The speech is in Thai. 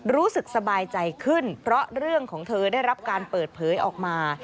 รู้สึกสบายใจขึ้นเพราะเรื่องของเธอได้รับการเปิดเผยออกมา